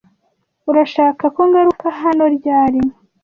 Urashaka ko ngaruka hano ryari?